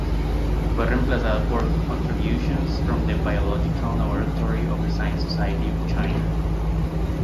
Fue reemplazada por "Contributions from the Biological Laboratory of the Science Society of China.